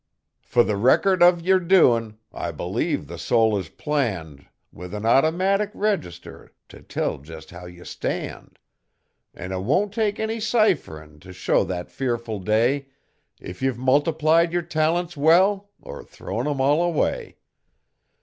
Fer the record o' yer doin' I believe the soul is planned With an automatic register t, tell jest how ye stand, An' it won't take any cipherin' t' show that fearful day, If ye've multiplied yer talents well, er thrown 'em all away.